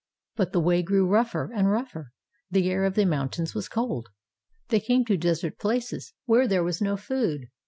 But the way grew rougher and rougher. The air of the moimtains was cold. They came to desert places where there was no food.